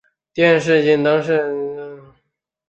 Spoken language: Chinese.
殿试登进士第三甲第一百六十七名。